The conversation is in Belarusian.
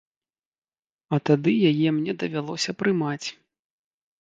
А тады яе мне давялося прымаць.